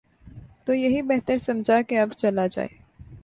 تو یہی بہتر سمجھا کہ اب چلا جائے۔